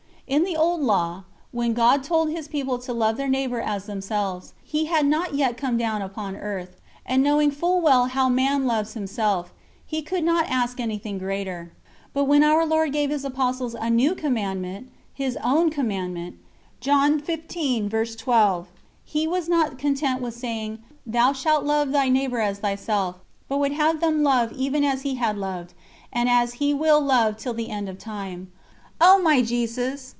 _ In the Old Law, when God told His people to love their neighbour as themselves, He had not yet come down upon earth; and knowing full well how man loves himself, He could not ask anything greater. But when Our Lord gave His Apostles a New Commandment "His own commandment" He was not content with saying: "Thou shalt love thy neighbour as thyself," but would have them love even as He had loved, and as He will love till the end of time. O my Jesus!